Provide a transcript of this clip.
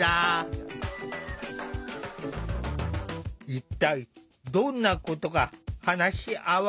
一体どんなことが話し合われるのか？